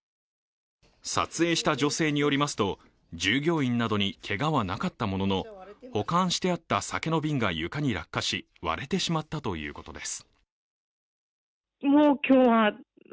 撮影した女性によりますと、従業員などにけがはなかったものの、保管してあった酒の瓶が床に落下し、割れてしまったということです。